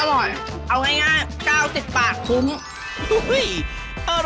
เอาให้ง่า๙ติดปากวัน